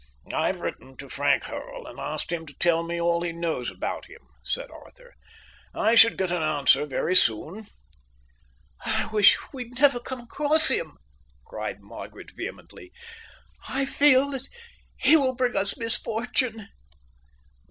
"I've written to Frank Hurrell and asked him to tell me all he knows about him," said Arthur. "I should get an answer very soon." "I wish we'd never come across him," cried Margaret vehemently. "I feel that he will bring us misfortune."